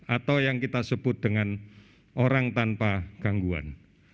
atau yang kita sebut dengan orang tanpa gangguan